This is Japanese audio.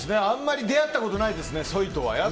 あんまり出会ったことないですね、ソイとは。